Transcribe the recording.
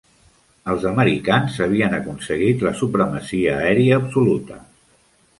Els americans havien aconseguit la supremacia aèria absoluta.